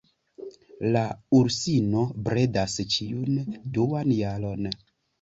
La ursino bredas ĉiun duan jaron.